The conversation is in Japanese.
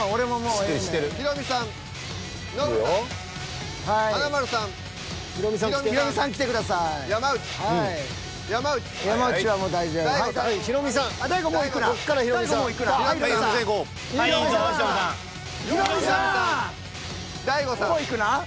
もういくな。